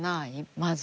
まず。